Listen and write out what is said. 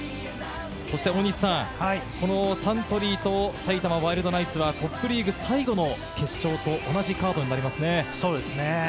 そして、このサントリーと埼玉ワイルドナイツはトップリーグ最後の決勝と同じカードになりますね。